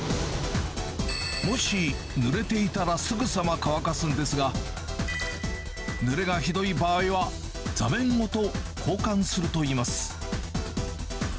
もしぬれていたらすぐさま乾かすんですが、ぬれがひどい場合は、座面ごと交換するといいます。